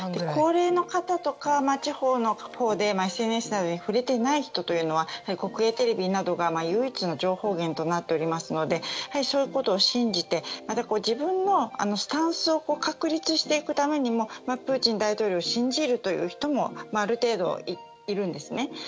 高齢の方とか地方のほうでＳＮＳなどに触れていない人というのは国営テレビなどが唯一の情報源となっておりますのでそういうことを信じて自分のスタンスを確立していくためにもプーチン大統領を信じるという人もある程度いるんですね。